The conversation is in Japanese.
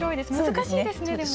難しいですねでも。